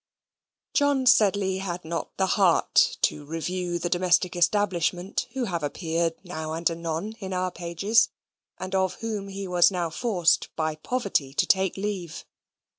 John Sedley had not the heart to review the domestic establishment who have appeared now and anon in our pages and of whom he was now forced by poverty to take leave.